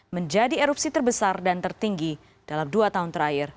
menjadi erupsi terbesar dan tertinggi dalam dua tahun terakhir